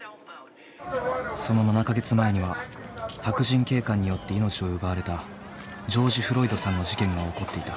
その７か月前には白人警官によって命を奪われたジョージ・フロイドさんの事件が起こっていた。